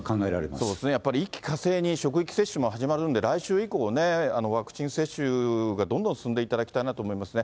そうですね、やっぱり一気かせいに職域接種も始まるんで、来週以降ね、ワクチン接種がどんどん進んでいただきたいなと思いますね。